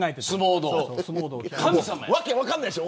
訳分かんないでしょ